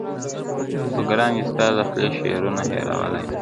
خو گراني ستا د خولې شعرونه هېرولاى نه سـم,